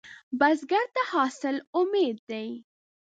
بزګر ته حاصل امید دی